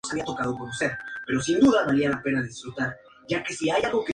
Desafortunadamente, la partitura se perdió.